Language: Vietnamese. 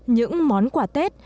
những món quả tết